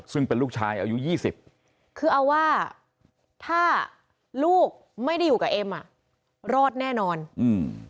ซึ่งเป็นลูกชายอายุยี่สิบคือเอาว่าถ้าลูกไม่ได้อยู่กับเอ็มอ่ะรอดแน่นอนอืม